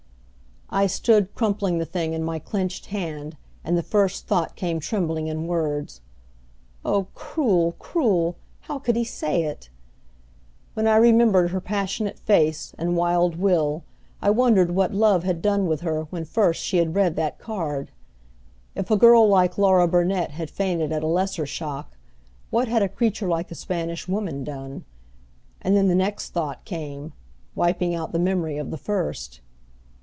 I stood crumpling the thing in my clenched hand and the first thought came trembling in words: "Oh, cruel, cruel! How could he say it!" When I remembered her passionate face and wild will I wondered what love had done with her when first she had read that card. If a girl like Laura Burnet had fainted at a lesser shock, what had a creature like the Spanish Woman done? And then the next thought came, wiping out the memory of the first.